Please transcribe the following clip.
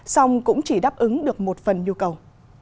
song cũng chỉ đáp ứng được một phần nhu cầu